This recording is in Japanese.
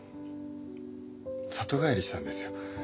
里帰りしたんですよ